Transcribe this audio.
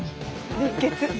熱血。